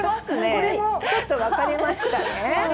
これもちょっと分かれましたね。